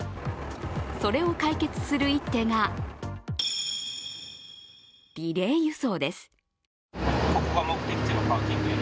それを解決する一手がリレー輸送です。